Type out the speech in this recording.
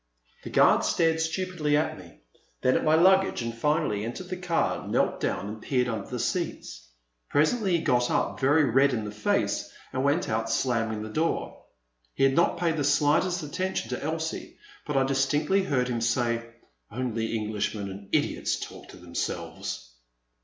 The guard stared stupidly at me, then at my luggage, and finally, entering the car, knelt down and peered under the seats. Presently he got up, very red in the face, and went out slamming the door. He had not paid the slightest attention to Elsie, but I distinctly heard him say, only Englishmen and idiots talk to themselves